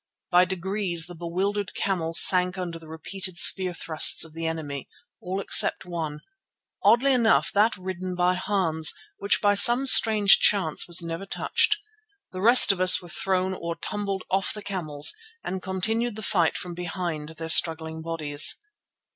By degrees the bewildered camels sank under the repeated spear thrusts of the enemy, all except one, oddly enough that ridden by Hans, which by some strange chance was never touched. The rest of us were thrown or tumbled off the camels and continued the fight from behind their struggling bodies.